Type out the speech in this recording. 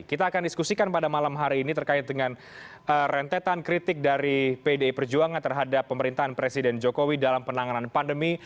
kita akan diskusikan pada malam hari ini terkait dengan rentetan kritik dari pdi perjuangan terhadap pemerintahan presiden jokowi dalam penanganan pandemi